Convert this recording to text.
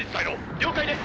了解です。